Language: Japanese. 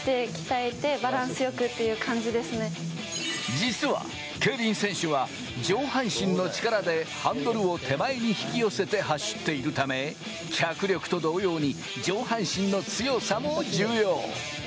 実は競輪選手は上半身の力でハンドルを手前に引き寄せて走っているため、脚力と同様に、上半身の強さも重要。